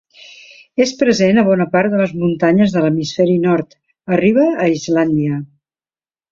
És present a bona part de les muntanyes de l'Hemisferi nord, arriba a Islàndia.